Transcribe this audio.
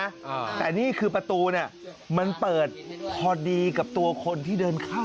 อ่าแต่นี่คือประตูเนี้ยมันเปิดพอดีกับตัวคนที่เดินเข้า